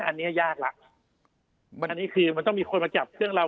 อันนี้ยากแล้วมันอันนี้คือมันต้องมีคนมาจับเครื่องเรา